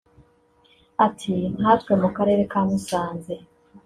Ati“ Nka twe mu karere ka Musanze